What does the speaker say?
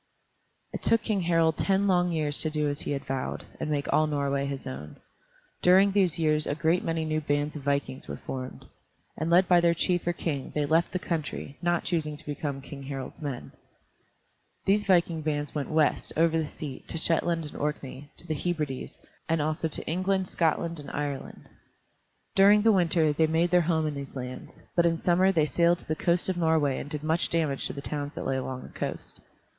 It took King Harald ten long years to do as he had vowed, and make all Norway his own. During these years a great many new bands of vikings were formed, and led by their chief or king they left the country, not choosing to become King Harald's men. These viking bands went west, over the sea, to Shetland and Orkney, to the Hebrides, and also to England, Scotland, and Ireland. During the winter they made their home in these lands, but in summer they sailed to the coast of Norway and did much damage to the towns that lay along the coast.